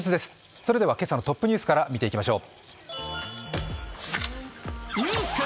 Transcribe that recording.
それでは今朝のトップニュースから見ていきましょう。